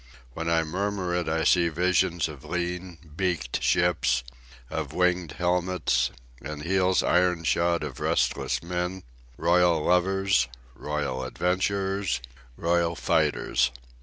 When I murmur it I see visions of lean, beaked ships, of winged helmets, and heels iron shod of restless men, royal lovers, royal adventurers, royal fighters.